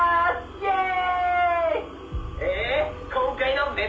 イエーイ！」